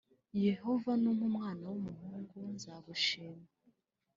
Yehova numpa umwana w umuhungu nzagushima.